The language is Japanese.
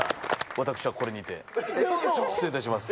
私はこれにて失礼いたします。